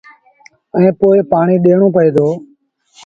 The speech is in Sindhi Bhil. ائيٚݩ پو پآڻيٚ ڏيڻون پئي دو۔